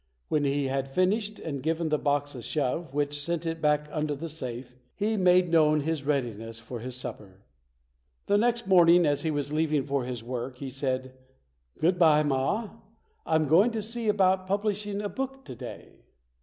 When he had finished and 46 ] UNSUNG HEROES given the box a shove which sent it back under the safe, he made known his readiness for his supper. The next morning as he was leaving for his work he said, "Goodbye, Ma, I'm going to see about publishing a book today".